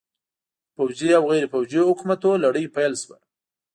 د پوځي او غیر پوځي حکومتونو لړۍ پیل شوه.